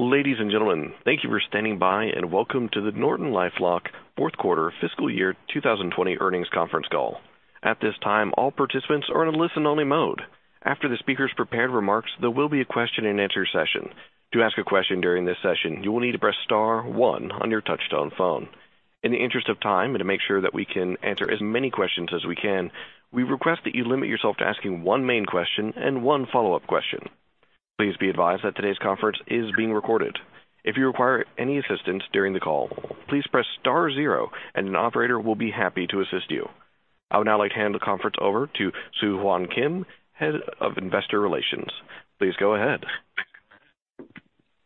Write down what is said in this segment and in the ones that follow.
Ladies and gentlemen, thank you for standing by. Welcome to the NortonLifeLock Q4 fiscal year 2020 earnings conference call. At this time, all participants are in a listen-only mode. After the speakers' prepared remarks, there will be a question and answer session. To ask a question during this session, you will need to press star one on your touch-tone phone. In the interest of time, to make sure that we can answer as many questions as we can, we request that you limit yourself to asking one main question and one follow-up question. Please be advised that today's conference is being recorded. If you require any assistance during the call, please press star zero an operator will be happy to assist you. I would now like to hand the conference over to Soohwan Kim, Head of Investor Relations. Please go ahead.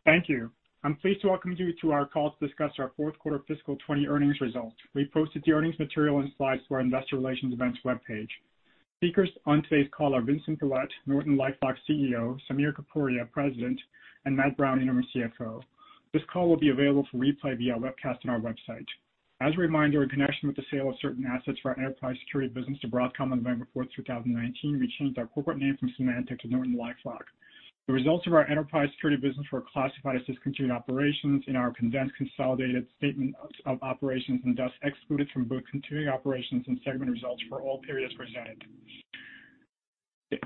Thank you. I'm pleased to welcome you to our call to discuss our Q4 fiscal 2020 earnings results. We posted the earnings material and slides to our investor relations events webpage. Speakers on today's call are Vincent Pilette, NortonLifeLock CEO, Samir Kapuria, President, and Matthew Brown, Interim CFO. This call will be available for replay via webcast on our website. As a reminder, in connection with the sale of certain assets for our enterprise security business to Broadcom on November 4th, 2019, we changed our corporate name from Symantec to NortonLifeLock. The results of our enterprise security business were classified as discontinued operations in our condensed consolidated statement of operations, and thus excluded from both continuing operations and segment results for all periods presented.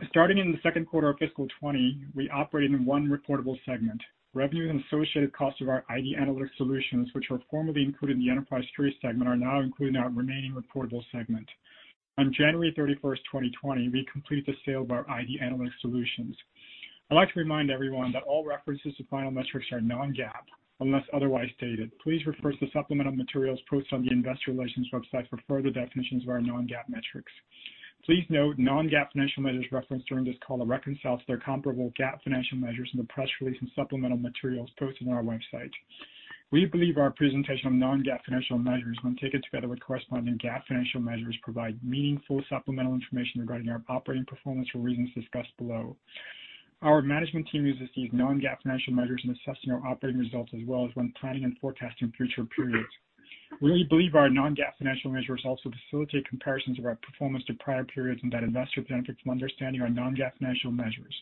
Starting in the Q2 of fiscal 2020, we operated in one reportable segment. Revenue and associated costs of our ID Analytics solutions, which were formerly included in the enterprise security segment, are now included in our remaining reportable segment. On January 31st, 2020, we completed the sale of our ID Analytics solutions. I'd like to remind everyone that all references to financial metrics are non-GAAP, unless otherwise stated. Please refer to the supplemental materials posted on the investor relations website for further definitions of our non-GAAP metrics. Please note, non-GAAP financial measures referenced during this call are reconciled to their comparable GAAP financial measures in the press release and supplemental materials posted on our website. We believe our presentation of non-GAAP financial measures, when taken together with corresponding GAAP financial measures, provide meaningful supplemental information regarding our operating performance for reasons discussed below. Our management team uses these non-GAAP financial measures in assessing our operating results, as well as when planning and forecasting future periods. We believe our non-GAAP financial measures also facilitate comparisons of our performance to prior periods and that investors benefit from understanding our non-GAAP financial measures.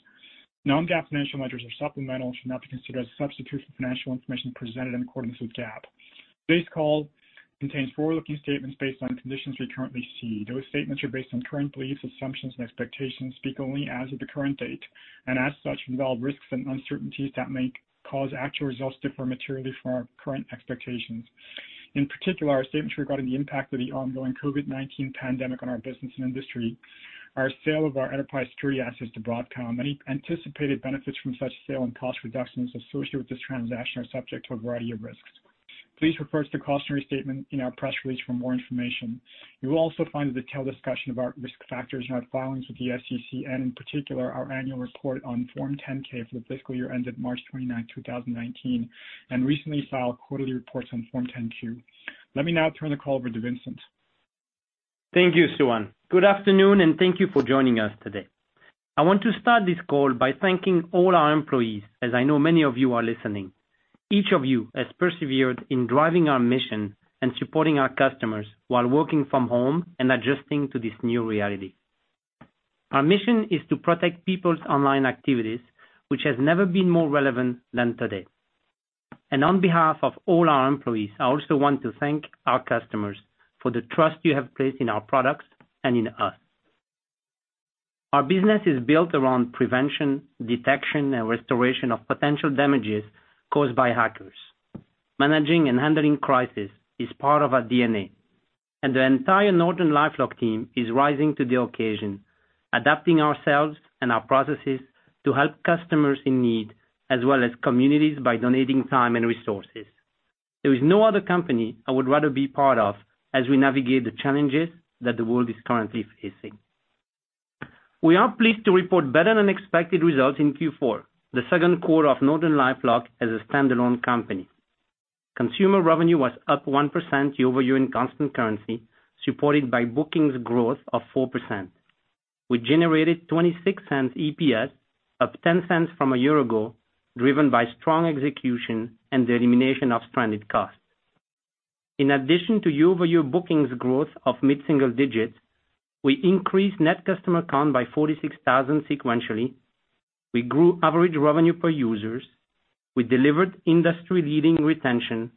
Non-GAAP financial measures are supplemental and should not be considered as a substitute for financial information presented in accordance with GAAP. Today's call contains forward-looking statements based on conditions we currently see. Those statements are based on current beliefs, assumptions, and expectations, speak only as of the current date, and as such, involve risks and uncertainties that may cause actual results to differ materially from our current expectations. In particular, our statements regarding the impact of the ongoing COVID-19 pandemic on our business and industry, our sale of our enterprise security assets to Broadcom. Any anticipated benefits from such sale and cost reductions associated with this transaction are subject to a variety of risks. Please refer to the cautionary statement in our press release for more information. You will also find a detailed discussion of our risk factors in our filings with the SEC, and in particular, our annual report on Form 10-K for the fiscal year ended March 29, 2019, and recently filed quarterly reports on Form 10-Q. Let me now turn the call over to Vincent. Thank you, Soohwan Kim. Good afternoon, thank you for joining us today. I want to start this call by thanking all our employees, as I know many of you are listening. Each of you has persevered in driving our mission and supporting our customers while working from home and adjusting to this new reality. Our mission is to protect people's online activities, which has never been more relevant than today. On behalf of all our employees, I also want to thank our customers for the trust you have placed in our products and in us. Our business is built around prevention, detection, and restoration of potential damages caused by hackers. Managing and handling crisis is part of our DNA, and the entire NortonLifeLock team is rising to the occasion, adapting ourselves and our processes to help customers in need, as well as communities, by donating time and resources. There is no other company I would rather be part of as we navigate the challenges that the world is currently facing. We are pleased to report better-than-expected results in Q4, the Q2 of NortonLifeLock as a standalone company. Consumer revenue was up 1% year-over-year in constant currency, supported by bookings growth of 4%. We generated $0.26 EPS, up $0.10 from a year ago, driven by strong execution and the elimination of stranded costs. In addition to year-over-year bookings growth of mid-single digits, we increased net customer count by 46,000 sequentially. We grew average revenue per user. We delivered industry-leading retention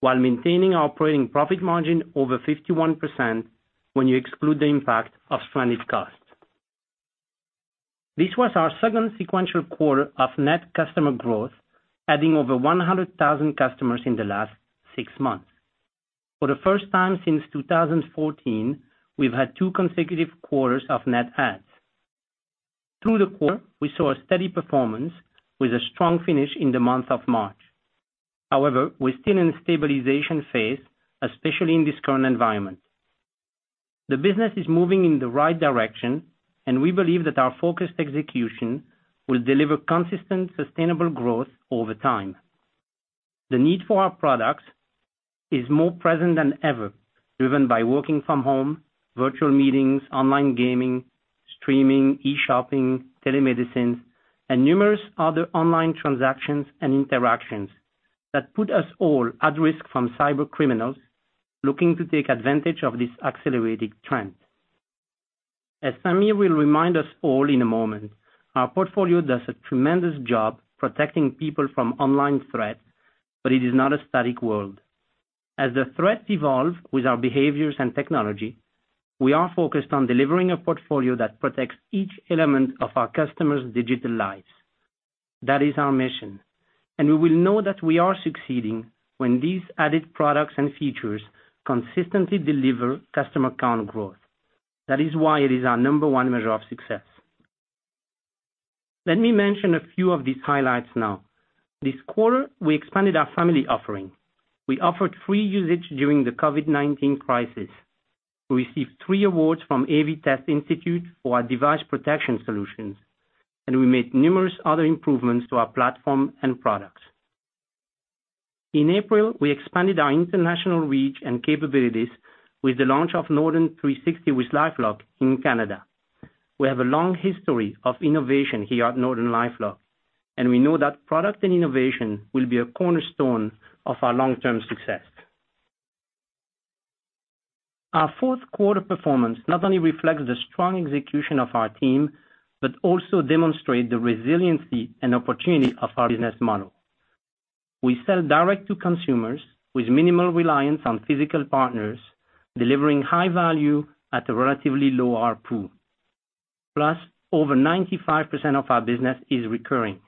while maintaining our operating profit margin over 51% when you exclude the impact of stranded costs. This was our second sequential quarter of net customer growth, adding over 100,000 customers in the last six months. For the first time since 2014, we've had two consecutive quarters of net adds. Through the quarter, we saw a steady performance with a strong finish in the month of March. However, we're still in a stabilization phase, especially in this current environment. The business is moving in the right direction, and we believe that our focused execution will deliver consistent, sustainable growth over time. The need for our products is more present than ever, driven by working from home, virtual meetings, online gaming, streaming, e-shopping, telemedicine, and numerous other online transactions and interactions that put us all at risk from cybercriminals looking to take advantage of this accelerated trend. As Samir will remind us all in a moment, our portfolio does a tremendous job protecting people from online threats, but it is not a static world. As the threats evolve with our behaviors and technology, we are focused on delivering a portfolio that protects each element of our customers' digital lives. That is our mission, and we will know that we are succeeding when these added products and features consistently deliver customer count growth. That is why it is our number one measure of success. Let me mention a few of these highlights now. This quarter, we expanded our family offering. We offered free usage during the COVID-19 crisis. We received three awards from AV-TEST Institute for our device protection solutions, and we made numerous other improvements to our platform and products. In April, we expanded our international reach and capabilities with the launch of Norton 360 with LifeLock in Canada. We have a long history of innovation here at NortonLifeLock, and we know that product and innovation will be a cornerstone of our long-term success. Our Q4 performance not only reflects the strong execution of our team, but also demonstrates the resiliency and opportunity of our business model. We sell direct to consumers with minimal reliance on physical partners, delivering high value at a relatively low ARPU. Over 95% of our business is recurring.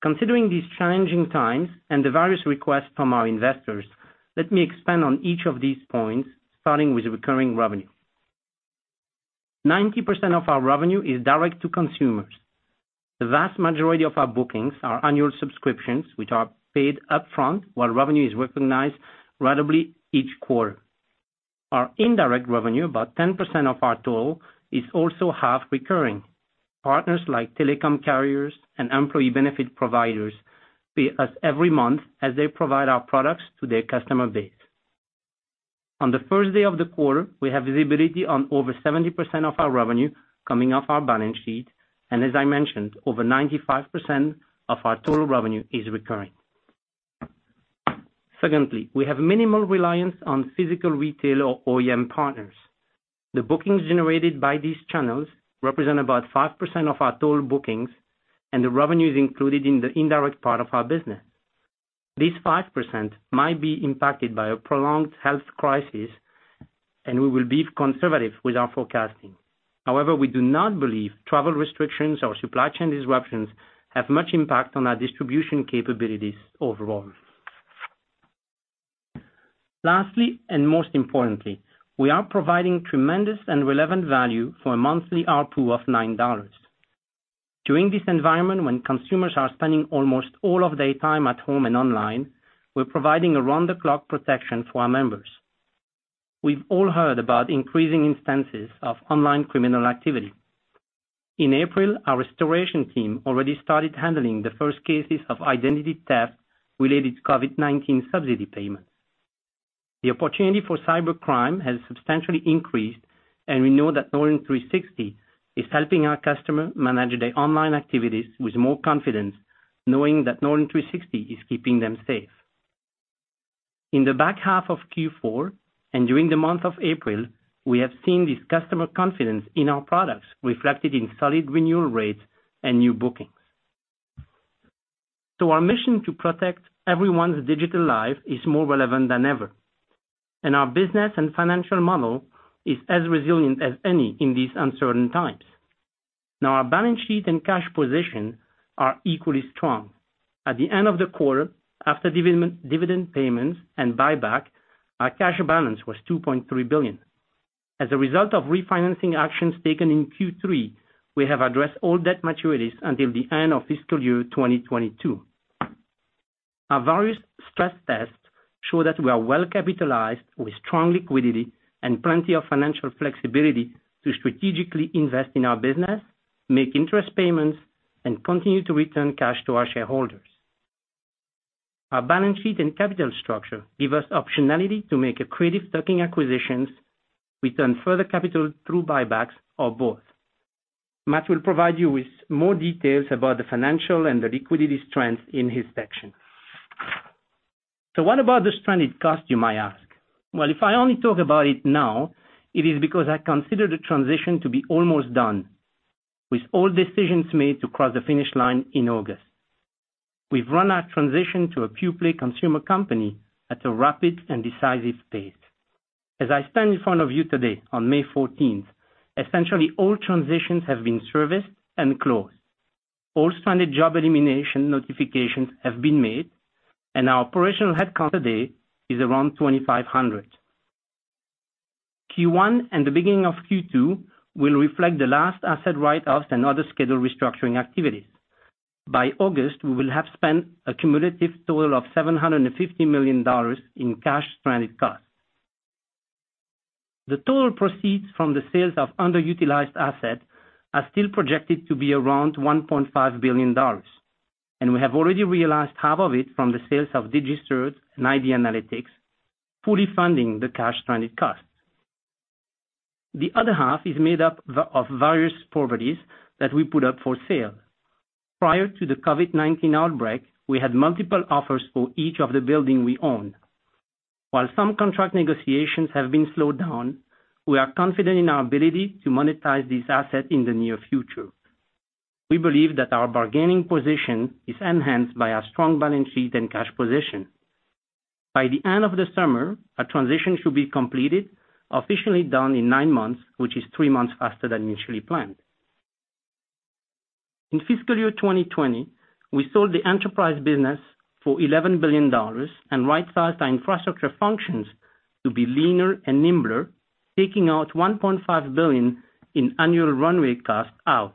Considering these challenging times and the various requests from our investors, let me expand on each of these points, starting with recurring revenue. 90% of our revenue is direct to consumers. The vast majority of our bookings are annual subscriptions, which are paid upfront while revenue is recognized ratably each quarter. Our indirect revenue, about 10% of our total, is also half recurring. Partners like telecom carriers and employee benefit providers pay us every month as they provide our products to their customer base. On the first day of the quarter, we have visibility on over 70% of our revenue coming off our balance sheet, and as I mentioned, over 95% of our total revenue is recurring. Secondly, we have minimal reliance on physical retail or OEM partners. The bookings generated by these channels represent about 5% of our total bookings, and the revenue is included in the indirect part of our business. This 5% might be impacted by a prolonged health crisis, and we will be conservative with our forecasting. However, we do not believe travel restrictions or supply chain disruptions have much impact on our distribution capabilities overall. Lastly, and most importantly, we are providing tremendous and relevant value for a monthly ARPU of $9. During this environment, when consumers are spending almost all of their time at home and online, we're providing around-the-clock protection for our members. We've all heard about increasing instances of online criminal activity. In April, our restoration team already started handling the first cases of identity theft related to COVID-19 subsidy payments. The opportunity for cybercrime has substantially increased, and we know that Norton 360 is helping our customer manage their online activities with more confidence, knowing that Norton 360 is keeping them safe. In the back half of Q4 and during the month of April, we have seen this customer confidence in our products reflected in solid renewal rates and new bookings. Our mission to protect everyone's digital life is more relevant than ever, and our business and financial model is as resilient as any in these uncertain times. Now, our balance sheet and cash position are equally strong. At the end of the quarter, after dividend payments and buyback, our cash balance was $2.3 billion. As a result of refinancing actions taken in Q3, we have addressed all debt maturities until the end of fiscal year 2022. Our various stress tests show that we are well capitalized with strong liquidity and plenty of financial flexibility to strategically invest in our business, make interest payments, and continue to return cash to our shareholders. Our balance sheet and capital structure give us optionality to make accretive tuck-in acquisitions, return further capital through buybacks, or both. Matt will provide you with more details about the financial and the liquidity trends in his section. What about the stranded cost, you might ask. Well, if I only talk about it now, it is because I consider the transition to be almost done, with all decisions made to cross the finish line in August. We've run our transition to a pure-play consumer company at a rapid and decisive pace. As I stand in front of you today on May 14th, essentially all transitions have been serviced and closed. All stranded job elimination notifications have been made, and our operational headcount today is around 2,500. Q1 and the beginning of Q2 will reflect the last asset write-offs and other scheduled restructuring activities. By August, we will have spent a cumulative total of $750 million in cash stranded costs. The total proceeds from the sales of underutilized assets are still projected to be around $1.5 billion, and we have already realized half of it from the sales of DigiCert and ID Analytics, fully funding the cash stranded costs. The other half is made up of various properties that we put up for sale. Prior to the COVID-19 outbreak, we had multiple offers for each of the buildings we own. While some contract negotiations have been slowed down, we are confident in our ability to monetize this asset in the near future. We believe that our bargaining position is enhanced by our strong balance sheet and cash position. By the end of the summer, a transition should be completed, officially done in nine months, which is three months faster than initially planned. In fiscal year 2020, we sold the enterprise business for $11 billion and rightsized our infrastructure functions to be leaner and nimbler, taking out $1.5 billion in annual run-rate cost out.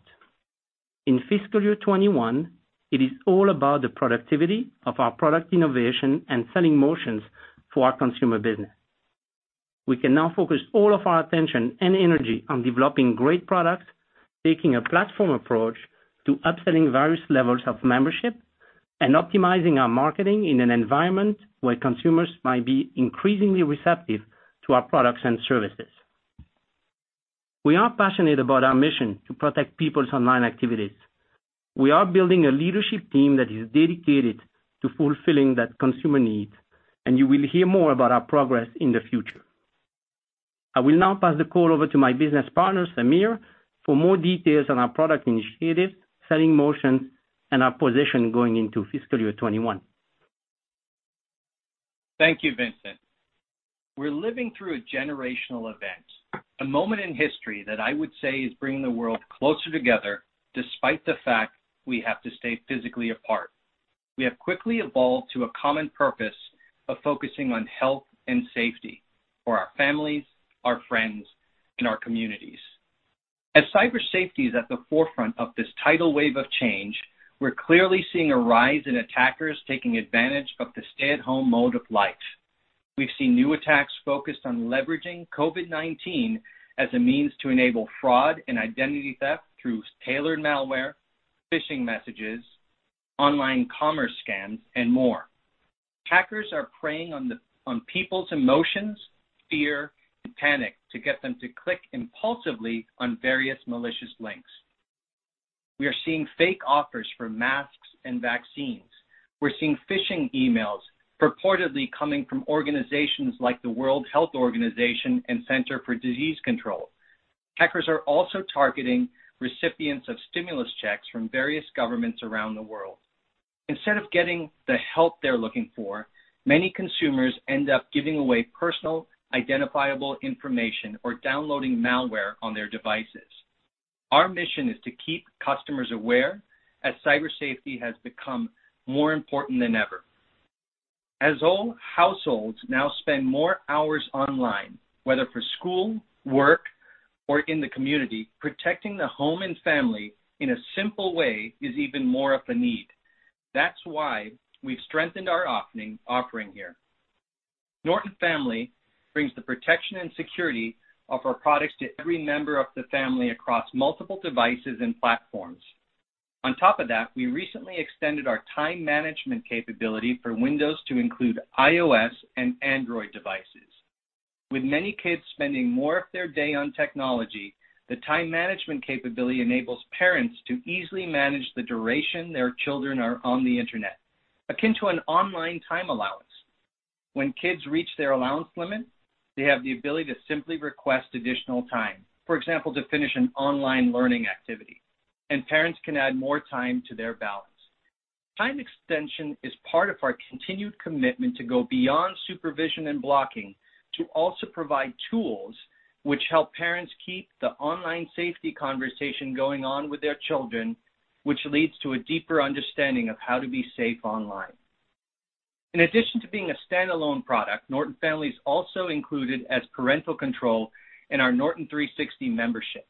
In fiscal year 2021, it is all about the productivity of our product innovation and selling motions for our consumer business. We can now focus all of our attention and energy on developing great products, taking a platform approach to upselling various levels of membership, and optimizing our marketing in an environment where consumers might be increasingly receptive to our products and services. We are passionate about our mission to protect people's online activities. We are building a leadership team that is dedicated to fulfilling that consumer need, and you will hear more about our progress in the future. I will now pass the call over to my business partner, Samir, for more details on our product initiatives, selling motions, and our position going into fiscal year 2021. Thank you, Vincent. We're living through a generational event, a moment in history that I would say is bringing the world closer together despite the fact we have to stay physically apart. We have quickly evolved to a common purpose of focusing on health and safety for our families, our friends, and our communities. As Cyber Safety is at the forefront of this tidal wave of change, we're clearly seeing a rise in attackers taking advantage of the stay-at-home mode of life. We've seen new attacks focused on leveraging COVID-19 as a means to enable fraud and identity theft through tailored malware, phishing messages, online commerce scams, and more. Hackers are preying on people's emotions, fear, and panic to get them to click impulsively on various malicious links. We are seeing fake offers for masks and vaccines. We're seeing phishing emails purportedly coming from organizations like the World Health Organization and Centers for Disease Control and Prevention. Hackers are also targeting recipients of stimulus checks from various governments around the world. Instead of getting the help they're looking for, many consumers end up giving away personal identifiable information or downloading malware on their devices. Our mission is to keep customers aware, as cyber safety has become more important than ever. All households now spend more hours online, whether for school, work, or in the community, protecting the home and family in a simple way is even more of a need. That's why we've strengthened our offering here. Norton Family brings the protection and security of our products to every member of the family across multiple devices and platforms. On top of that, we recently extended our time management capability for Windows to include iOS and Android devices. With many kids spending more of their day on technology, the time management capability enables parents to easily manage the duration their children are on the internet, akin to an online time allowance. When kids reach their allowance limit, they have the ability to simply request additional time, for example, to finish an online learning activity. Parents can add more time to their balance. Time extension is part of our continued commitment to go beyond supervision and blocking to also provide tools which help parents keep the online safety conversation going on with their children, which leads to a deeper understanding of how to be safe online. In addition to being a standalone product, Norton Family is also included as parental control in our Norton 360 membership.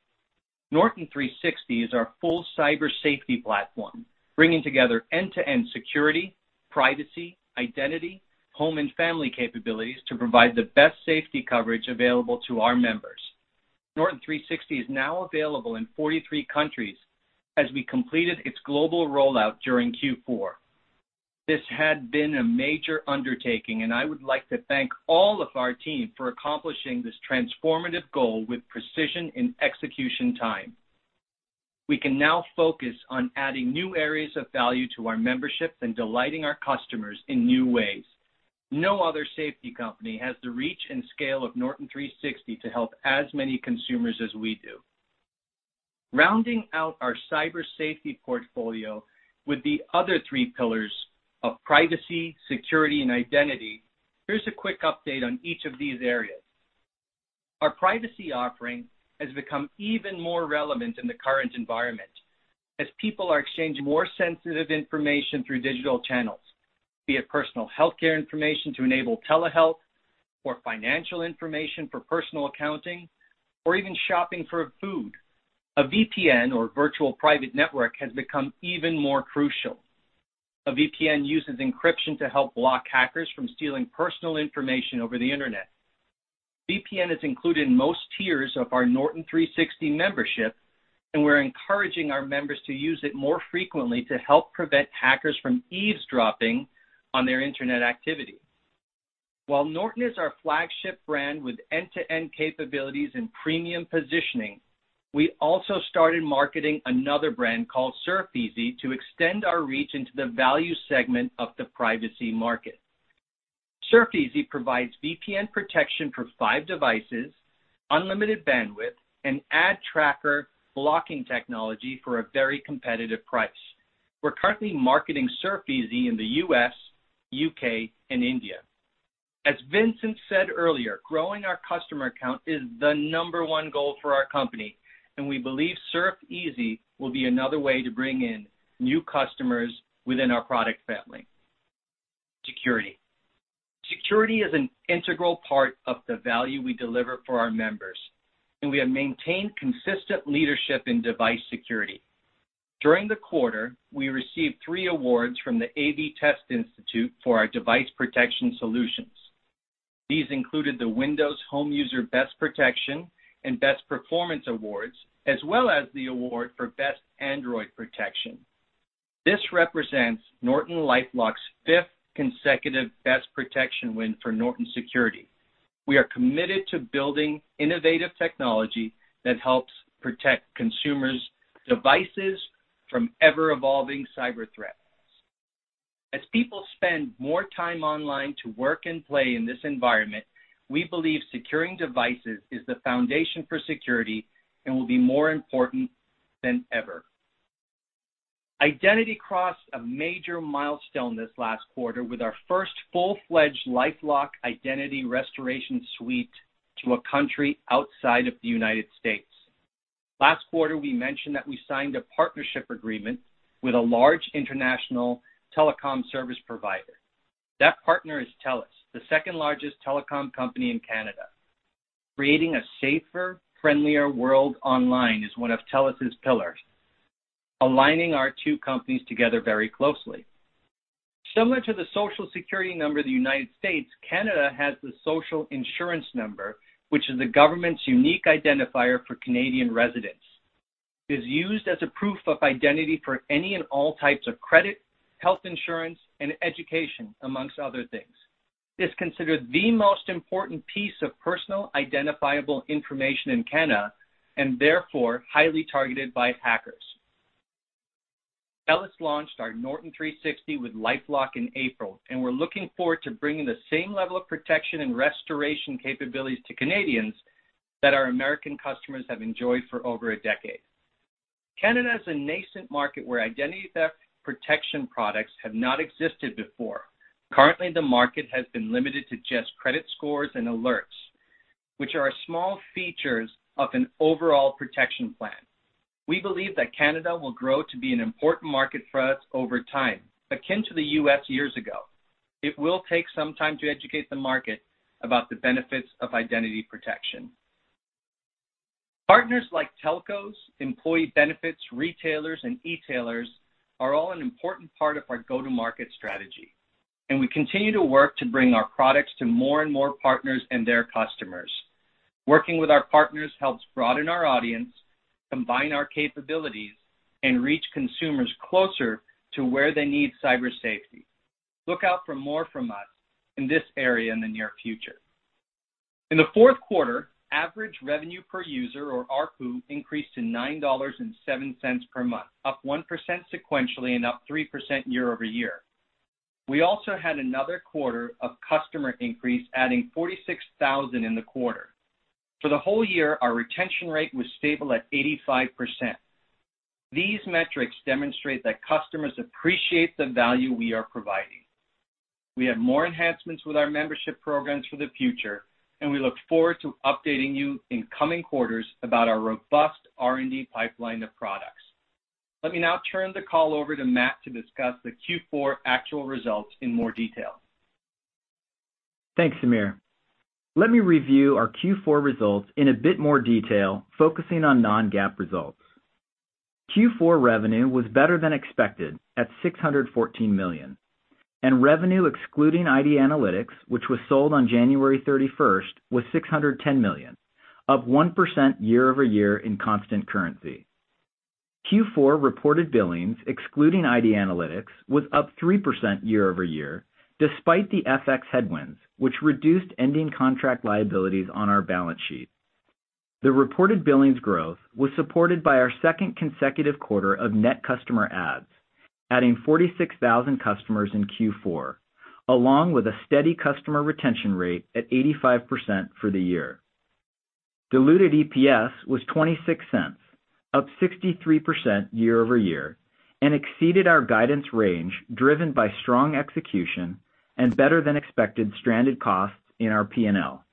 Norton 360 is our full Cyber Safety platform, bringing together end-to-end security, privacy, identity, home, and family capabilities to provide the best safety coverage available to our members. Norton 360 is now available in 43 countries, as we completed its global rollout during Q4. I would like to thank all of our team for accomplishing this transformative goal with precision and execution time. We can now focus on adding new areas of value to our membership and delighting our customers in new ways. No other safety company has the reach and scale of Norton 360 to help as many consumers as we do. Rounding out our Cyber Safety portfolio with the other three pillars of privacy, security, and identity, here's a quick update on each of these areas. Our privacy offering has become even more relevant in the current environment. As people are exchanging more sensitive information through digital channels, be it personal healthcare information to enable telehealth or financial information for personal accounting or even shopping for food, a VPN or virtual private network has become even more crucial. A VPN uses encryption to help block hackers from stealing personal information over the internet. VPN is included in most tiers of our Norton 360 membership, and we're encouraging our members to use it more frequently to help prevent hackers from eavesdropping on their internet activity. While Norton is our flagship brand with end-to-end capabilities and premium positioning. We also started marketing another brand called SurfEasy to extend our reach into the value segment of the privacy market. SurfEasy provides VPN protection for five devices, unlimited bandwidth, and ad tracker blocking technology for a very competitive price. We're currently marketing SurfEasy in the U.S., U.K., and India. As Vincent said earlier, growing our customer count is the number one goal for our company, and we believe SurfEasy will be another way to bring in new customers within our product family. Security. Security is an integral part of the value we deliver for our members, and we have maintained consistent leadership in device security. During the quarter, we received three awards from the AV-TEST Institute for our device protection solutions. These included the Windows Home User Best Protection and Best Performance awards, as well as the award for Best Android Protection. This represents NortonLifeLock's fifth consecutive Best Protection win for Norton Security. We are committed to building innovative technology that helps protect consumers' devices from ever-evolving cyber threats. As people spend more time online to work and play in this environment, we believe securing devices is the foundation for security and will be more important than ever. Identity crossed a major milestone this last quarter with our first full-fledged LifeLock identity restoration suite to a country outside of the U.S. Last quarter, we mentioned that we signed a partnership agreement with a large international telecom service provider. That partner is TELUS, the second-largest telecom company in Canada. Creating a safer, friendlier world online is one of TELUS's pillars, aligning our two companies together very closely. Similar to the Social Security number in the U.S., Canada has the Social Insurance Number, which is the government's unique identifier for Canadian residents. It is used as a proof of identity for any and all types of credit, health insurance, and education, amongst other things. It is considered the most important piece of personal identifiable information in Canada, and therefore, highly targeted by hackers. TELUS launched our Norton 360 with LifeLock in April, and we're looking forward to bringing the same level of protection and restoration capabilities to Canadians that our American customers have enjoyed for over a decade. Canada is a nascent market where identity theft protection products have not existed before. Currently, the market has been limited to just credit scores and alerts, which are small features of an overall protection plan. We believe that Canada will grow to be an important market for us over time, akin to the U.S. years ago. It will take some time to educate the market about the benefits of identity protection. Partners like telcos, employee benefits, retailers, and e-tailers are all an important part of our go-to-market strategy, and we continue to work to bring our products to more and more partners and their customers. Working with our partners helps broaden our audience, combine our capabilities, and reach consumers closer to where they need Cyber Safety. Look out for more from us in this area in the near future. In the Q4, average revenue per user, or ARPU, increased to $9.07 per month, up 1% sequentially and up 3% year-over-year. We also had another quarter of customer increase, adding 46,000 in the quarter. For the whole year, our retention rate was stable at 85%. These metrics demonstrate that customers appreciate the value we are providing. We have more enhancements with our membership programs for the future, and we look forward to updating you in coming quarters about our robust R&D pipeline of products. Let me now turn the call over to Matthew to discuss the Q4 actual results in more detail. Thanks, Samir. Let me review our Q4 results in a bit more detail, focusing on non-GAAP results. Q4 revenue was better than expected at $614 million, and revenue excluding ID Analytics, which was sold on January 31st, was $610 million, up 1% year-over-year in constant currency. Q4 reported billings, excluding ID Analytics, was up 3% year-over-year, despite the FX headwinds, which reduced ending contract liabilities on our balance sheet. The reported billings growth was supported by our second consecutive quarter of net customer adds, adding 46,000 customers in Q4, along with a steady customer retention rate at 85% for the year. Diluted EPS was $0.26, up 63% year-over-year, and exceeded our guidance range, driven by strong execution and better-than-expected stranded costs in our P&L.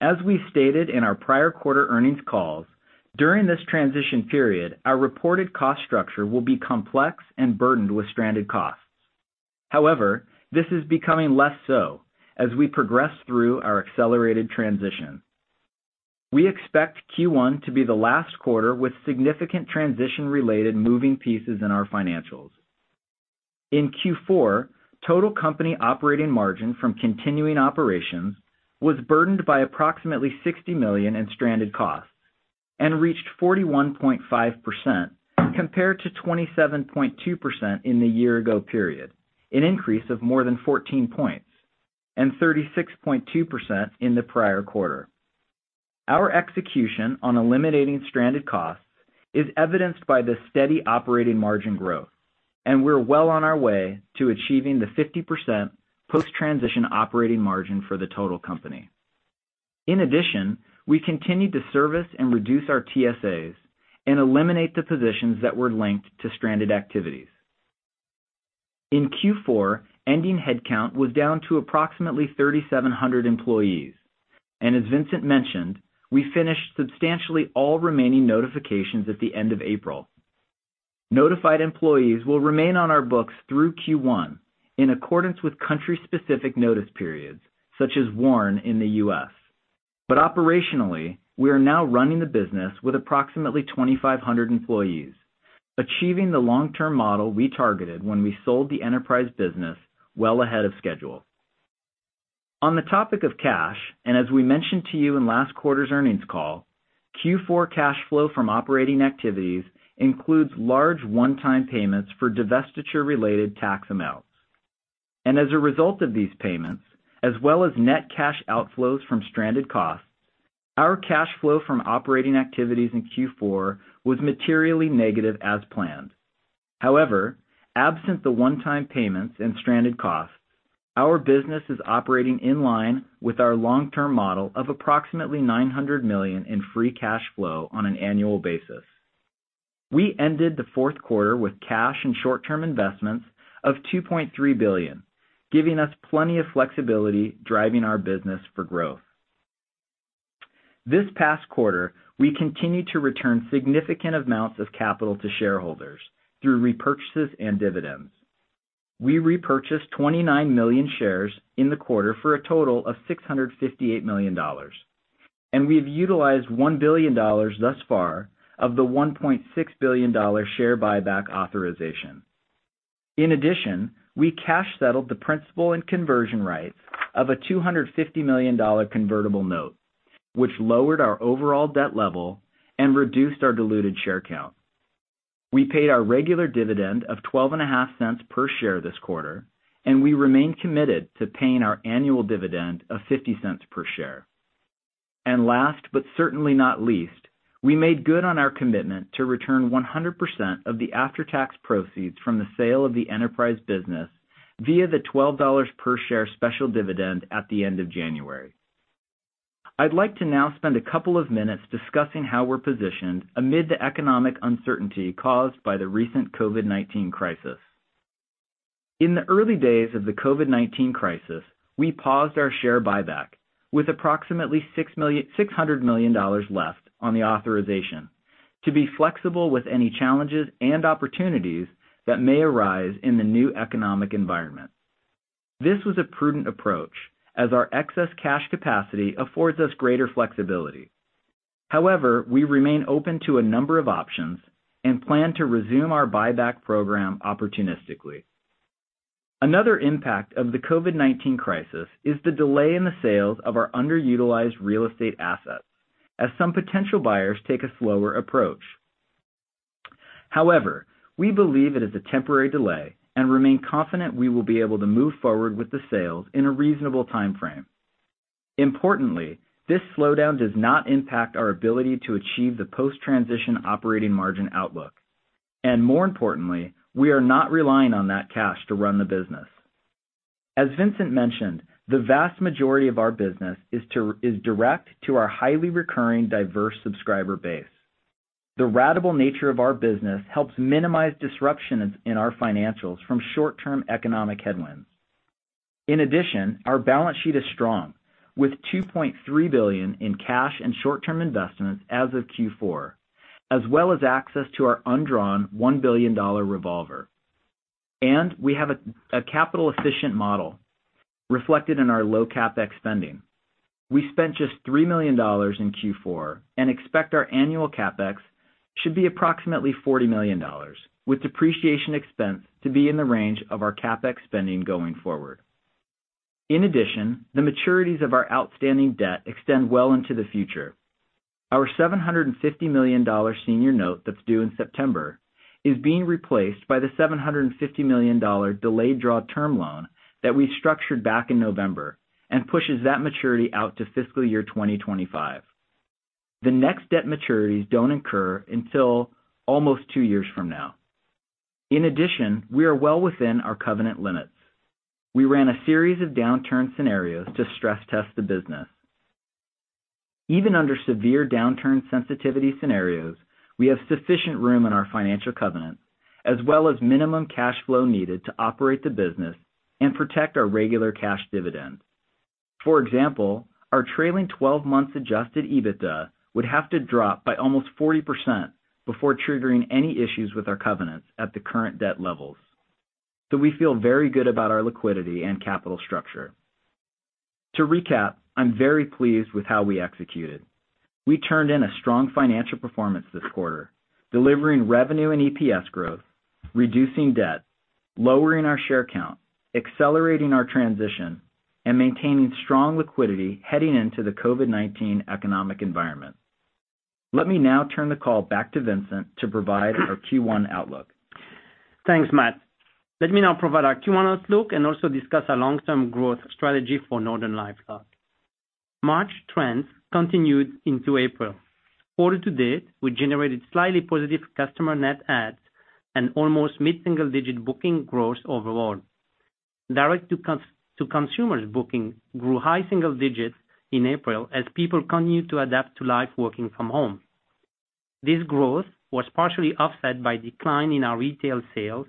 As we stated in our prior quarter earnings calls, during this transition period, our reported cost structure will be complex and burdened with stranded costs. However, this is becoming less so as we progress through our accelerated transition. We expect Q1 to be the last quarter with significant transition-related moving pieces in our financials. In Q4, total company operating margin from continuing operations was burdened by approximately $60 million in stranded costs and reached 41.5% compared to 27.2% in the year-ago period, an increase of more than 14 points. 36.2% in the prior quarter. Our execution on eliminating stranded costs is evidenced by the steady operating margin growth, and we're well on our way to achieving the 50% post-transition operating margin for the total company. In addition, we continued to service and reduce our TSAs and eliminate the positions that were linked to stranded activities. In Q4, ending headcount was down to approximately 3,700 employees. As Vincent mentioned, we finished substantially all remaining notifications at the end of April. Notified employees will remain on our books through Q1 in accordance with country-specific notice periods, such as WARN in the U.S. Operationally, we are now running the business with approximately 2,500 employees, achieving the long-term model we targeted when we sold the enterprise business well ahead of schedule. On the topic of cash, as we mentioned to you in last quarter's earnings call, Q4 cash flow from operating activities includes large one-time payments for divestiture-related tax amounts. As a result of these payments, as well as net cash outflows from stranded costs, our cash flow from operating activities in Q4 was materially negative as planned. Absent the one-time payments and stranded costs, our business is operating in line with our long-term model of approximately $900 million in free cash flow on an annual basis. We ended the Q4 with cash and short-term investments of $2.3 billion, giving us plenty of flexibility driving our business for growth. This past quarter, we continued to return significant amounts of capital to shareholders through repurchases and dividends. We repurchased 29 million shares in the quarter for a total of $658 million. We have utilized $1 billion thus far of the $1.6 billion share buyback authorization. In addition, we cash settled the principal and conversion rights of a $250 million convertible note, which lowered our overall debt level and reduced our diluted share count. We paid our regular dividend of $0.125 per share this quarter, and we remain committed to paying our annual dividend of $0.50 per share. Last, but certainly not least, we made good on our commitment to return 100% of the after-tax proceeds from the sale of the enterprise business via the $12 per share special dividend at the end of January. I'd like to now spend a couple of minutes discussing how we're positioned amid the economic uncertainty caused by the recent COVID-19 crisis. In the early days of the COVID-19 crisis, we paused our share buyback with approximately $600 million left on the authorization to be flexible with any challenges and opportunities that may arise in the new economic environment. This was a prudent approach, as our excess cash capacity affords us greater flexibility. However, we remain open to a number of options and plan to resume our buyback program opportunistically. Another impact of the COVID-19 crisis is the delay in the sales of our underutilized real estate assets, as some potential buyers take a slower approach. However, we believe it is a temporary delay and remain confident we will be able to move forward with the sales in a reasonable timeframe. Importantly, this slowdown does not impact our ability to achieve the post-transition operating margin outlook. More importantly, we are not relying on that cash to run the business. As Vincent mentioned, the vast majority of our business is direct to our highly recurring, diverse subscriber base. The ratable nature of our business helps minimize disruption in our financials from short-term economic headwinds. In addition, our balance sheet is strong, with $2.3 billion in cash and short-term investments as of Q4, as well as access to our undrawn $1 billion revolver. We have a capital-efficient model reflected in our low CapEx spending. We spent just $3 million in Q4 and expect our annual CapEx should be approximately $40 million, with depreciation expense to be in the range of our CapEx spending going forward. In addition, the maturities of our outstanding debt extend well into the future. Our $750 million senior note that's due in September is being replaced by the $750 million delayed draw term loan that we structured back in November and pushes that maturity out to FY 2025. The next debt maturities don't incur until almost two years from now. In addition, we are well within our covenant limits. We ran a series of downturn scenarios to stress test the business. Even under severe downturn sensitivity scenarios, we have sufficient room in our financial covenants, as well as minimum cash flow needed to operate the business and protect our regular cash dividends. For example, our trailing 12 months adjusted EBITDA would have to drop by almost 40% before triggering any issues with our covenants at the current debt levels. We feel very good about our liquidity and capital structure. To recap, I'm very pleased with how we executed. We turned in a strong financial performance this quarter, delivering revenue and EPS growth, reducing debt, lowering our share count, accelerating our transition, and maintaining strong liquidity heading into the COVID-19 economic environment. Let me now turn the call back to Vincent to provide our Q1 outlook. Thanks, Matthew. Let me now provide our Q1 outlook and also discuss our long-term growth strategy for NortonLifeLock. March trends continued into April. Quarter to date, we generated slightly positive customer net adds and almost mid-single-digit booking growth overall. Direct-to-consumer booking grew high single digits in April as people continued to adapt to life working from home. This growth was partially offset by decline in our retail sales,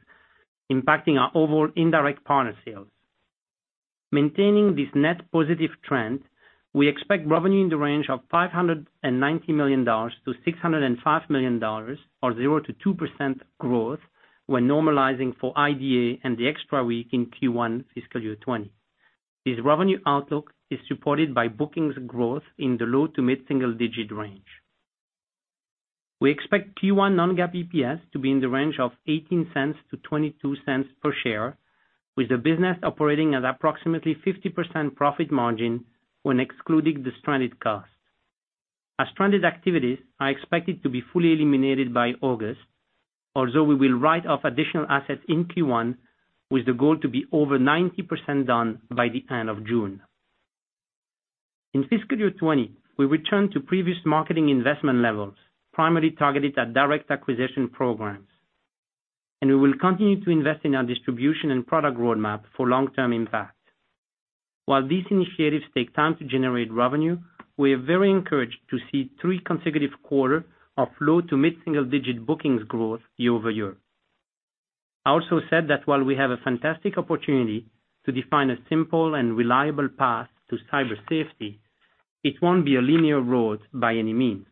impacting our overall indirect partner sales. Maintaining this net positive trend, we expect revenue in the range of $590 million-$605 million or 0%-2% growth when normalizing for IDA and the extra week in Q1 fiscal year 2020. This revenue outlook is supported by bookings growth in the low to mid-single digit range. We expect Q1 non-GAAP EPS to be in the range of $0.18-$0.22 per share, with the business operating at approximately 50% profit margin when excluding the stranded costs. Our stranded activities are expected to be fully eliminated by August, although we will write off additional assets in Q1, with the goal to be over 90% done by the end of June. In fiscal year 2020, we return to previous marketing investment levels, primarily targeted at direct acquisition programs. We will continue to invest in our distribution and product roadmap for long-term impact. While these initiatives take time to generate revenue, we are very encouraged to see three consecutive quarter of low to mid-single-digit bookings growth year-over-year. I also said that while we have a fantastic opportunity to define a simple and reliable path to cyber safety, it won't be a linear road by any means.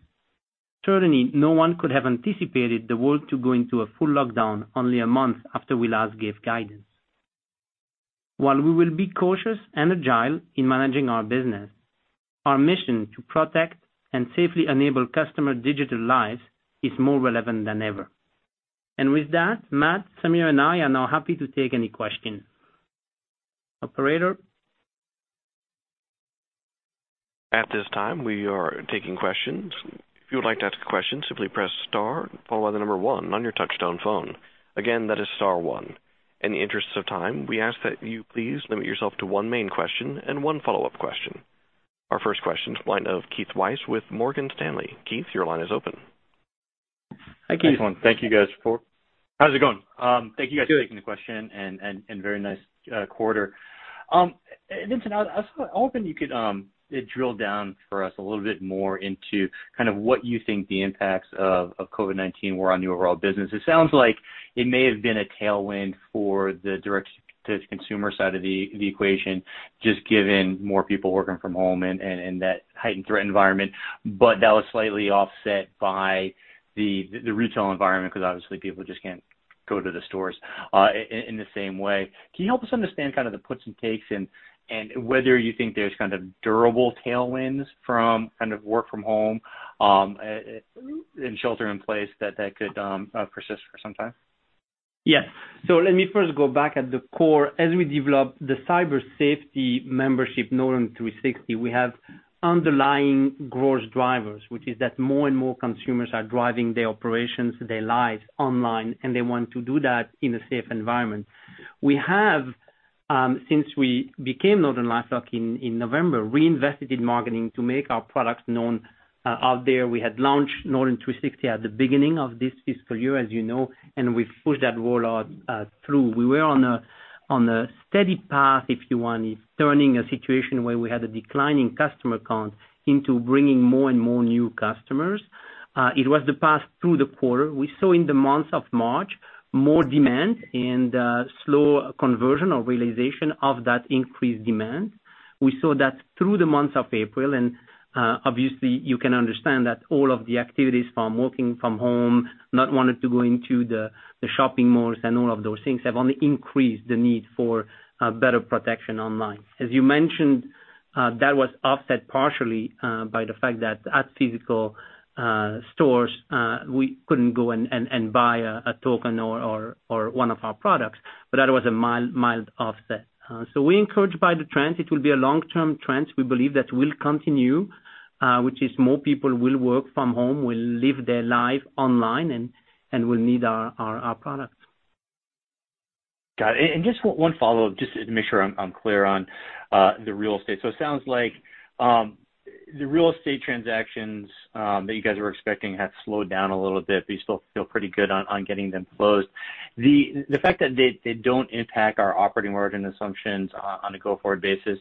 Certainly, no one could have anticipated the world to go into a full lockdown only a month after we last gave guidance. While we will be cautious and agile in managing our business, our mission to protect and safely enable customer digital lives is more relevant than ever. With that, Matt, Samir, and I are now happy to take any questions. Operator? At this time, we are taking questions. If you would like to ask a question, simply press star, followed by the number one on your touchtone phone. Again, that is star one. In the interest of time, we ask that you please limit yourself to one main question and one follow-up question. Our first question is the line of Keith Weiss with Morgan Stanley. Keith, your line is open. Hi, Keith. Excellent. How's it going? Good. For taking the question, and very nice quarter. Vincent, I was hoping you could drill down for us a little bit more into what you think the impacts of COVID-19 were on your overall business. It sounds like it may have been a tailwind for the direct-to-consumer side of the equation, just given more people working from home and that heightened threat environment. That was slightly offset by the retail environment, because obviously people just can't go to the stores in the same way. Can you help us understand kind of the puts and takes in and whether you think there's durable tailwinds from work from home and shelter in place that could persist for some time? Yeah. Let me first go back at the core. As we developed the cyber safety membership, Norton 360, we have underlying growth drivers, which is that more and more consumers are driving their operations, their lives online, and they want to do that in a safe environment. We have, since we became NortonLifeLock in November, reinvested in marketing to make our products known out there. We had launched Norton 360 at the beginning of this fiscal year, as you know, and we've pushed that rollout through. We were on a steady path, if you want, turning a situation where we had a decline in customer count into bringing more and more new customers. It was the path through the quarter. We saw in the month of March, more demand and slow conversion or realization of that increased demand. We saw that through the month of April. Obviously, you can understand that all of the activities from working from home, not wanting to go into the shopping malls and all of those things have only increased the need for better protection online. As you mentioned, that was offset partially by the fact that at physical stores, we couldn't go and buy a token or one of our products. That was a mild offset. We're encouraged by the trend. It will be a long-term trend, we believe, that will continue, which is more people will work from home, will live their life online, and will need our products. Got it. Just one follow-up, just to make sure I'm clear on the real estate. It sounds like the real estate transactions that you guys were expecting have slowed down a little bit, but you still feel pretty good on getting them closed. The fact that they don't impact our operating margin assumptions on a go-forward basis,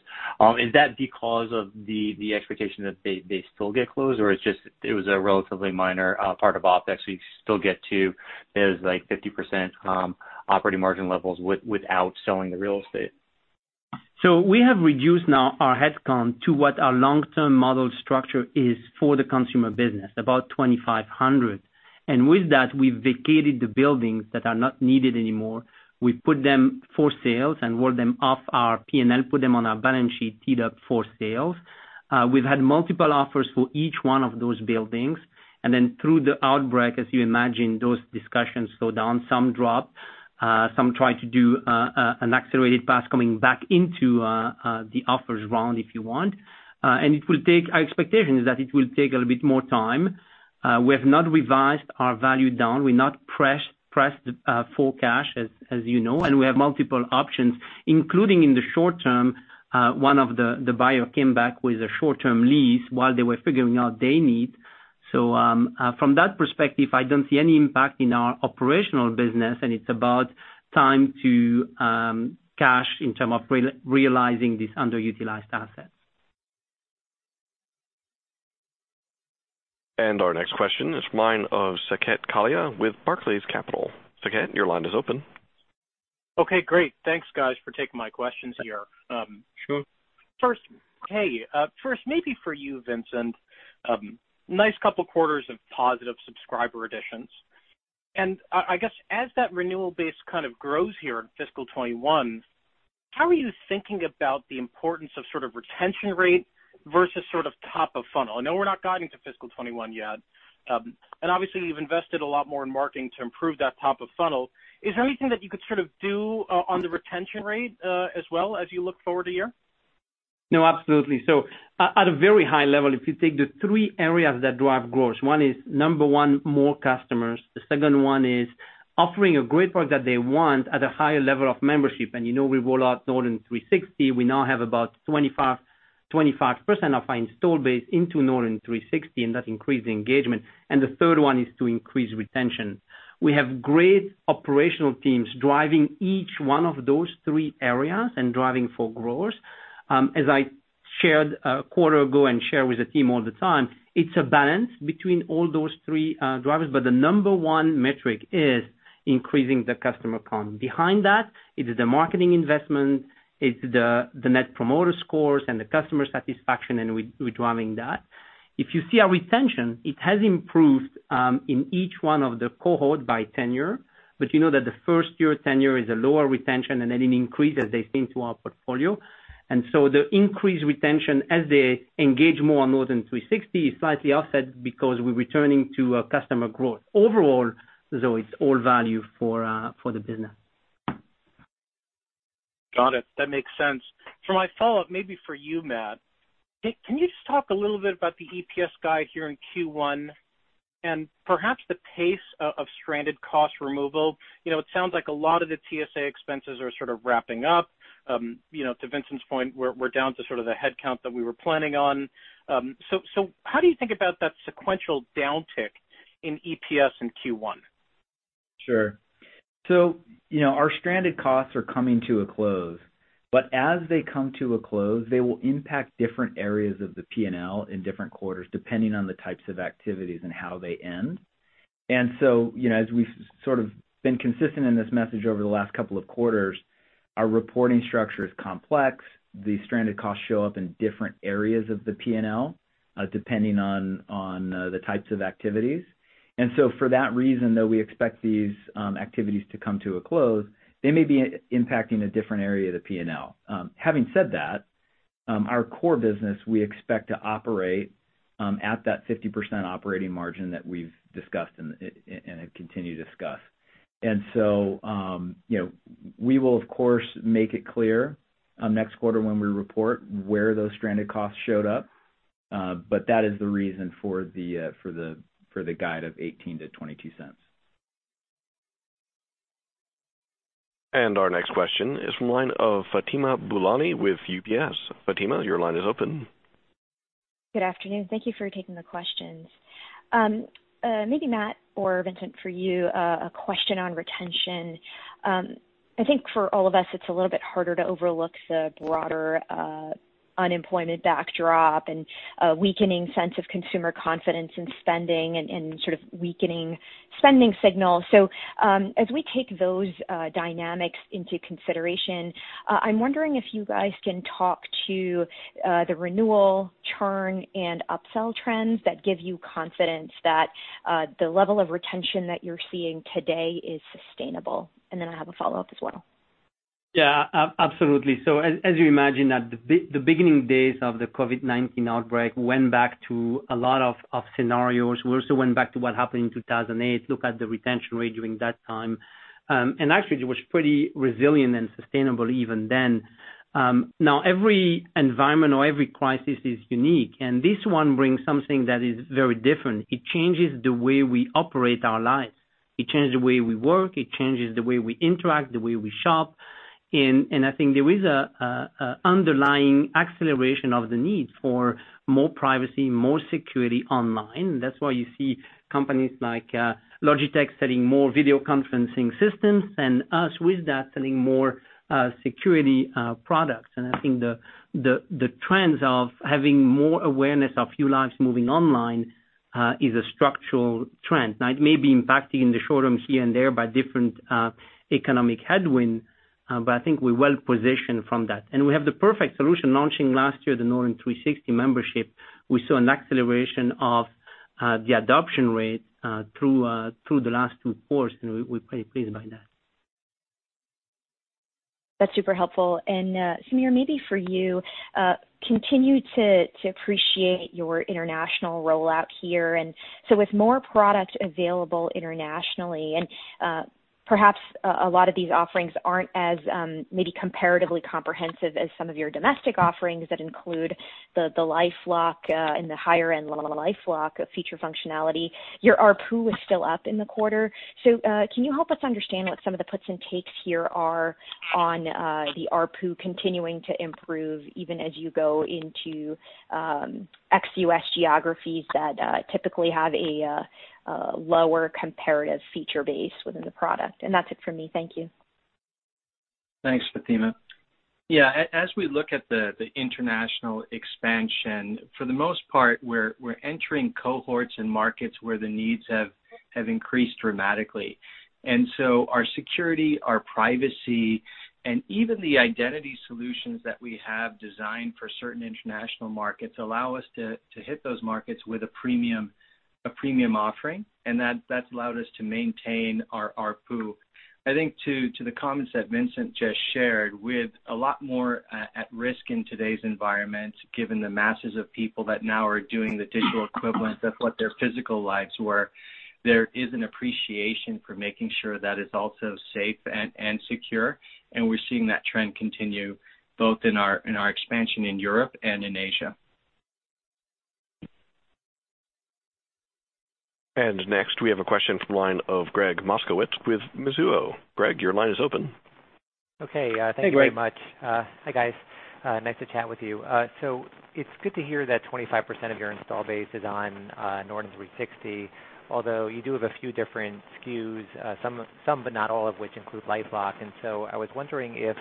is that because of the expectation that they still get closed, or it was a relatively minor part of OpEx that you still get to those 50% operating margin levels without selling the real estate? We have reduced now our headcount to what our long-term model structure is for the consumer business, about 2,500. With that, we vacated the buildings that are not needed anymore. We put them for sale and wrote them off our P&L, put them on our balance sheet, teed up for sale. We have had multiple offers for each one of those buildings. Through the outbreak, as you imagine, those discussions slowed down. Some dropped. Some tried to do an accelerated path coming back into the offers round, if you want. Our expectation is that it will take a little bit more time. We have not revised our value down. We are not pressed for cash, as you know, and we have multiple options, including in the short term, one of the buyers came back with a short-term lease while they were figuring out their need. From that perspective, I don't see any impact in our operational business, and it's about time to cash in term of realizing this underutilized asset. Our next question is from line of Saket Kalia with Barclays Capital. Saket, your line is open. Okay, great. Thanks, guys, for taking my questions here. Sure. Hey. First, maybe for you, Vincent. Nice couple of quarters of positive subscriber additions. I guess as that renewal base kind of grows here in fiscal 2021, how are you thinking about the importance of sort of retention rate versus sort of top of funnel? I know we're not guiding to fiscal 2021 yet. Obviously, you've invested a lot more in marketing to improve that top of funnel. Is there anything that you could sort of do on the retention rate as well as you look forward a year? No, absolutely. At a very high level, if you take the three areas that drive growth, one is, number one, more customers, the second one is offering a great product that they want at a higher level of membership. You know we roll out Norton 360. We now have about 25% of our installed base into Norton 360, and that increased engagement. The third one is to increase retention. We have great operational teams driving each one of those three areas and driving for growth. As I shared a quarter ago and share with the team all the time, it's a balance between all those three drivers, but the number one metric is increasing the customer count. Behind that, it is the marketing investment, it's the net promoter scores and the customer satisfaction, and we're driving that. If you see our retention, it has improved in each one of the cohort by tenure. You know that the first year tenure is a lower retention and then an increase as they stay to our portfolio. The increased retention, as they engage more on Norton 360, is slightly offset because we're returning to customer growth. Overall, though, it's all value for the business. Got it. That makes sense. For my follow-up, maybe for you, Matt. Can you just talk a little bit about the EPS guide here in Q1 and perhaps the pace of stranded cost removal? It sounds like a lot of the TSA expenses are sort of wrapping up. To Vincent's point, we're down to sort of the headcount that we were planning on. How do you think about that sequential downtick in EPS in Q1? Sure. Our stranded costs are coming to a close, but as they come to a close, they will impact different areas of the P&L in different quarters, depending on the types of activities and how they end. As we've sort of been consistent in this message over the last couple of quarters, our reporting structure is complex. The stranded costs show up in different areas of the P&L, depending on the types of activities. For that reason, though, we expect these activities to come to a close, they may be impacting a different area of the P&L. Having said that, our core business, we expect to operate at that 50% operating margin that we've discussed and have continued to discuss. We will of course make it clear next quarter when we report where those stranded costs showed up. That is the reason for the guide of $0.18-$0.22. Our next question is from line of Fatima Boolani with UBS. Fatima, your line is open. Good afternoon. Thank you for taking the questions. Maybe Matthew or Vincent, for you, a question on retention. I think for all of us, it's a little bit harder to overlook the broader unemployment backdrop and a weakening sense of consumer confidence in spending and sort of weakening spending signals. As we take those dynamics into consideration, I'm wondering if you guys can talk to the renewal, churn, and upsell trends that give you confidence that the level of retention that you're seeing today is sustainable. Then I have a follow-up as well. Yeah. Absolutely. As you imagine, at the beginning days of the COVID-19 outbreak, went back to a lot of scenarios. We also went back to what happened in 2008, look at the retention rate during that time. Actually, it was pretty resilient and sustainable even then. Now, every environment or every crisis is unique, and this one brings something that is very different. It changes the way we operate our lives. It changes the way we work, it changes the way we interact, the way we shop. I think there is an underlying acceleration of the need for more privacy, more security online. That's why you see companies like Logitech selling more video conferencing systems and us with that, selling more security products. I think the trends of having more awareness of your lives moving online is a structural trend. It may be impacting in the short term here and there by different economic headwinds, but I think we're well-positioned from that. We have the perfect solution launching last year, the Norton 360 membership. We saw an acceleration of the adoption rate through the last two quarters, and we're pretty pleased by that. That's super helpful. Samir, maybe for you, continue to appreciate your international rollout here. With more products available internationally, and perhaps a lot of these offerings aren't as maybe comparatively comprehensive as some of your domestic offerings that include the LifeLock, and the higher-end LifeLock feature functionality. Your ARPU is still up in the quarter. Can you help us understand what some of the puts and takes here are on the ARPU continuing to improve even as you go into ex-U.S. geographies that typically have a lower comparative feature base within the product? That's it for me. Thank you. Thanks, Fatima. Yeah, as we look at the international expansion, for the most part, we're entering cohorts and markets where the needs have increased dramatically. Our security, our privacy, and even the identity solutions that we have designed for certain international markets allow us to hit those markets with a premium offering, and that's allowed us to maintain our ARPU. I think to the comments that Vincent just shared, with a lot more at risk in today's environment, given the masses of people that now are doing the digital equivalent of what their physical lives were, there is an appreciation for making sure that it's also safe and secure, and we're seeing that trend continue both in our expansion in Europe and in Asia. Next, we have a question from the line of Gregg Moskowitz with Mizuho. Gregg, your line is open. Okay. Hey, Gregg. Thank you very much. Hi, guys. Nice to chat with you. It's good to hear that 25% of your install base is on Norton 360, although you do have a few different SKUs, some but not all of which include LifeLock. I was wondering if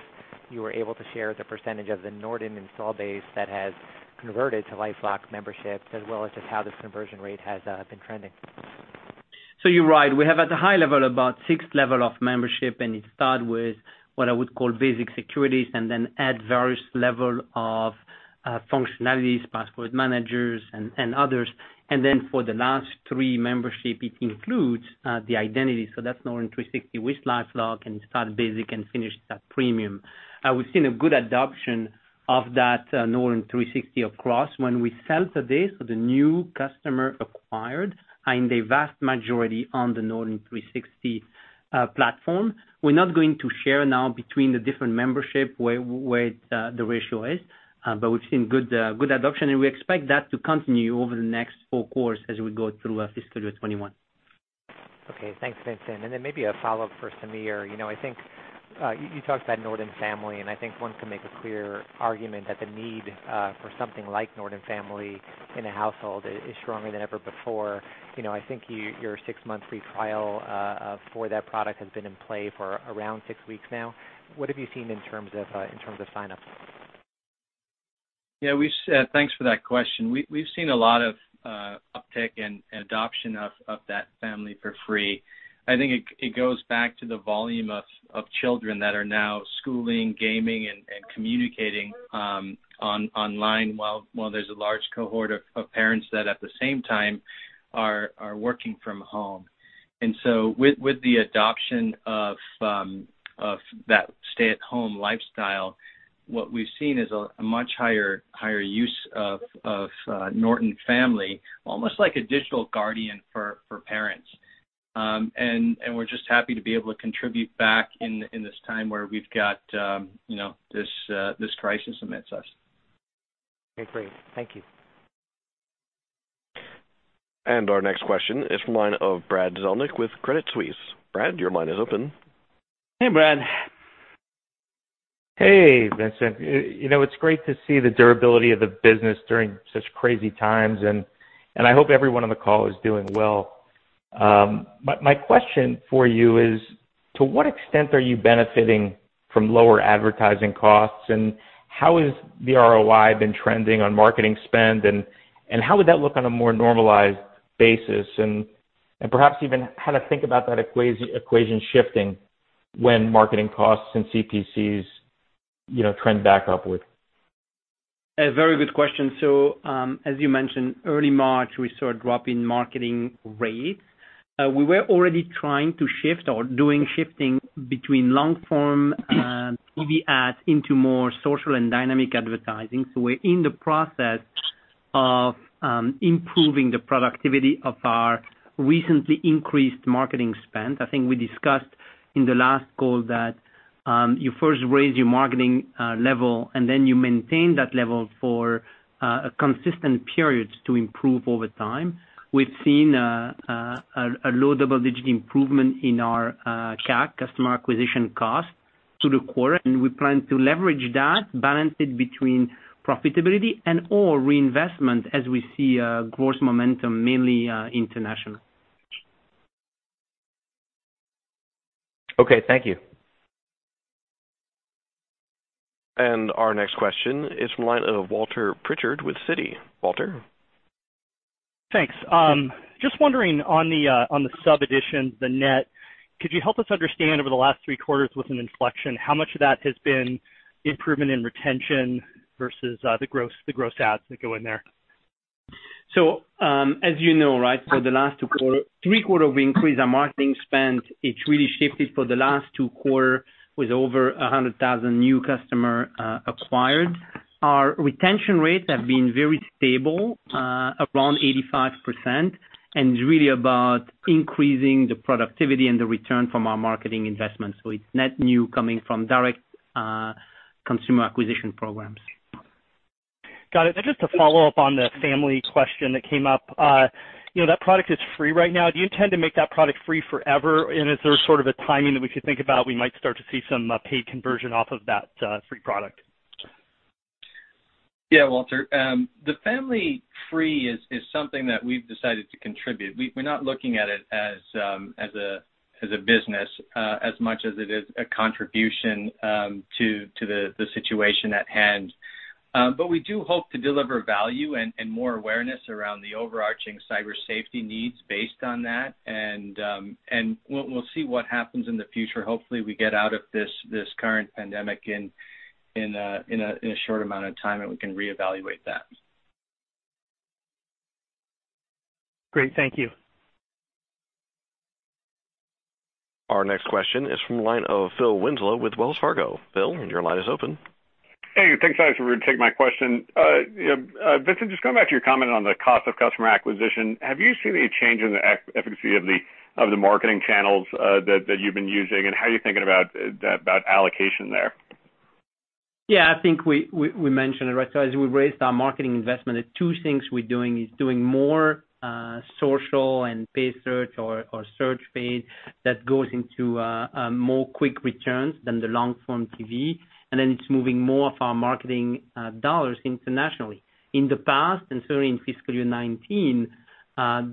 you were able to share the percentage of the Norton install base that has converted to LifeLock memberships, as well as just how this conversion rate has been trending. You're right. We have at a high level about 6 level of membership, it start with what I would call basic security, then add various level of functionalities, password managers and others. Then for the last three membership, it includes the identity. That's Norton 360 with LifeLock, it start basic and finish at premium. We've seen a good adoption of that Norton 360 across. When we sell today, the new customer acquired are in the vast majority on the Norton 360 platform. We're not going to share now between the different membership where the ratio is. We've seen good adoption, and we expect that to continue over the next four quarters as we go through fiscal year 2021. Okay. Thanks, Vincent. Then maybe a follow-up for Samir. I think you talked about Norton Family, and I think one can make a clear argument that the need for something like Norton Family in a household is stronger than ever before. I think your six-month free trial for that product has been in play for around six weeks now. What have you seen in terms of sign-ups? Yeah, thanks for that question. We've seen a lot of uptick and adoption of that Family for free. I think it goes back to the volume of children that are now schooling, gaming, and communicating online, while there's a large cohort of parents that at the same time are working from home. With the adoption of that stay-at-home lifestyle, what we've seen is a much higher use of Norton Family, almost like a digital guardian for parents. We're just happy to be able to contribute back in this time where we've got this crisis amidst us. Okay, great. Thank you. Our next question is from the line of Brad Zelnick with Credit Suisse. Brad, your line is open. Hey, Brad. Hey, Vincent. It's great to see the durability of the business during such crazy times, and I hope everyone on the call is doing well. My question for you is, to what extent are you benefiting from lower advertising costs, and how has the ROI been trending on marketing spend, and how would that look on a more normalized basis? Perhaps even how to think about that equation shifting when marketing costs and CPCs trend back upward? A very good question. As you mentioned, early March, we saw a drop in marketing rates. We were already trying to shift or doing shifting between long-form TV ads into more social and dynamic advertising. We're in the process of improving the productivity of our recently increased marketing spend. I think we discussed in the last call that you first raise your marketing level, you maintain that level for a consistent period to improve over time. We've seen a low double-digit improvement in our CAC, customer acquisition cost, through the quarter, we plan to leverage that, balance it between profitability and/or reinvestment as we see growth momentum, mainly international. Okay, thank you. Our next question is from the line of Walter Pritchard with Citi. Walter? Thanks. Just wondering on the sub additions, the net, could you help us understand over the last three quarters with an inflection, how much of that has been improvement in retention versus the gross adds that go in there? As you know, right, for the last three quarter, we increased our marketing spend. It's really shifted for the last two quarter with over 100,000 new customer acquired. Our retention rates have been very stable, around 85%, and it's really about increasing the productivity and the return from our marketing investments. It's net new coming from direct consumer acquisition programs. Got it. Just to follow up on the Norton Family question that came up. That product is free right now. Do you intend to make that product free forever? Is there a timing that we could think about we might start to see some paid conversion off of that free product? Yeah, Walter. The Family free is something that we've decided to contribute. We're not looking at it as a business, as much as it is a contribution to the situation at hand. We do hope to deliver value and more awareness around the overarching cyber safety needs based on that. We'll see what happens in the future. Hopefully we get out of this current pandemic in a short amount of time, and we can reevaluate that. Great. Thank you. Our next question is from the line of Philip Winslow with Wells Fargo. Phil, your line is open. Hey, thanks guys for taking my question. Vincent, just going back to your comment on the cost of customer acquisition. Have you seen any change in the efficacy of the marketing channels that you've been using, and how are you thinking about allocation there? Yeah, I think we mentioned it, right? As we raised our marketing investment, there's two things we're doing, is doing more social and paid search or search paid that goes into more quick returns than the long form TV. It's moving more of our marketing dollars internationally. In the past, and certainly in fiscal year 2019,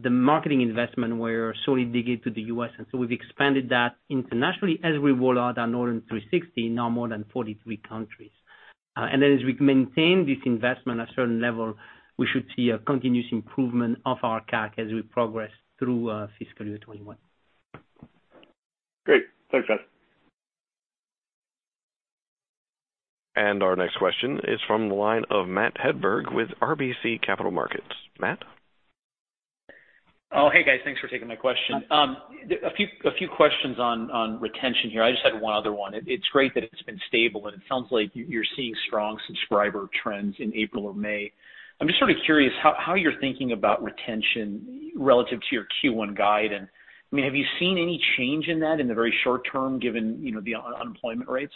the marketing investment were solely dedicated to the U.S., and so we've expanded that internationally as we roll out our Norton 360 in now more than 43 countries. As we maintain this investment a certain level, we should see a continuous improvement of our CAC as we progress through fiscal year 2021. Great. Thanks, guys. Our next question is from the line of Matthew Hedberg with RBC Capital Markets. Matt? Hey guys, thanks for taking my question. A few questions on retention here. I just had one other one. It's great that it's been stable, and it sounds like you're seeing strong subscriber trends in April or May. I'm just sort of curious how you're thinking about retention relative to your Q1 guide. I mean, have you seen any change in that in the very short term, given the unemployment rates?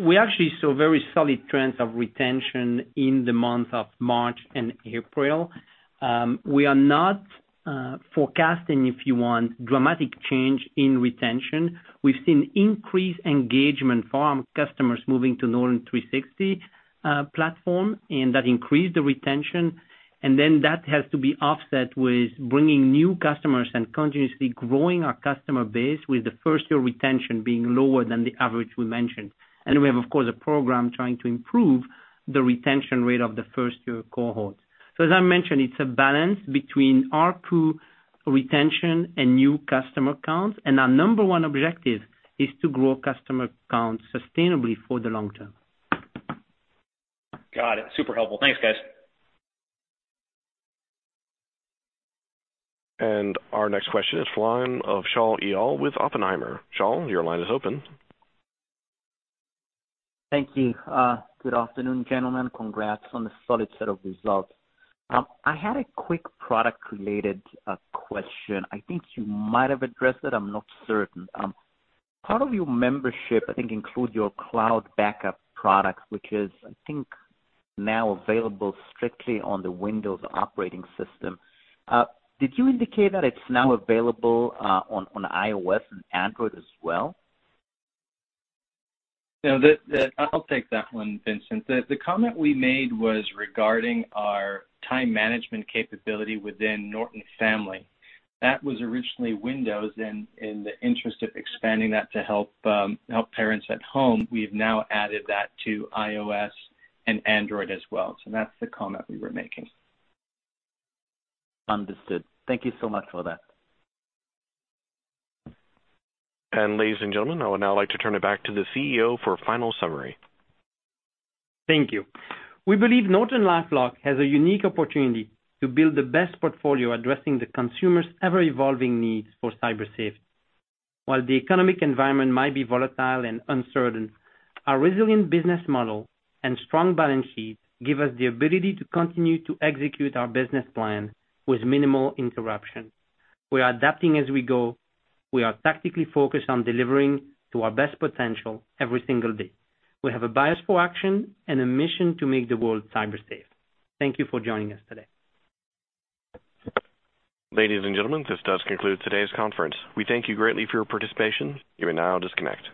We actually saw very solid trends of retention in the month of March and April. We are not forecasting, if you want, dramatic change in retention. We've seen increased engagement from customers moving to Norton 360 platform, and that increased the retention. That has to be offset with bringing new customers and continuously growing our customer base with the first-year retention being lower than the average we mentioned. We have, of course, a program trying to improve the retention rate of the first-year cohort. As I mentioned, it's a balance between ARPU retention and new customer counts. Our number one objective is to grow customer counts sustainably for the long term. Got it. Super helpful. Thanks, guys. Our next question is from the line of Shaul Eyal with Oppenheimer. Shaul, your line is open. Thank you. Good afternoon, gentlemen. Congrats on the solid set of results. I had a quick product-related question. I think you might have addressed it. I'm not certain. Part of your membership, I think include your cloud backup product, which is, I think, now available strictly on the Windows operating system. Did you indicate that it's now available on iOS and Android as well? I'll take that one, Vincent. The comment we made was regarding our time management capability within Norton Family. That was originally Windows, and in the interest of expanding that to help parents at home, we've now added that to iOS and Android as well. That's the comment we were making. Understood. Thank you so much for that. Ladies and gentlemen, I would now like to turn it back to the CEO for a final summary. Thank you. We believe NortonLifeLock has a unique opportunity to build the best portfolio addressing the consumer's ever-evolving needs for Cyber Safety. While the economic environment might be volatile and uncertain, our resilient business model and strong balance sheet give us the ability to continue to execute our business plan with minimal interruption. We are adapting as we go. We are tactically focused on delivering to our best potential every single day. We have a bias for action and a mission to make the world Cyber Safe. Thank you for joining us today. Ladies and gentlemen, this does conclude today's conference. We thank you greatly for your participation. You may now disconnect.